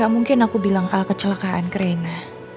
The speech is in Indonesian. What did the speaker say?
gak mungkin aku bilang hal kecelakaan ke rena